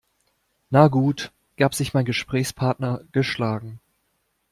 Na gut, gab sich mein Gesprächspartner geschlagen.